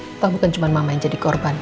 entah bukan cuma mama yang jadi korban